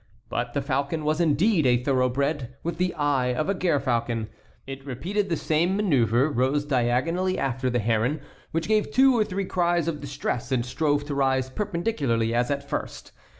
But the falcon was indeed a thoroughbred, with the eye of a gerfalcon. It repeated the same manœuvre, rose diagonally after the heron, which gave two or three cries of distress and strove to rise perpendicularly as at first.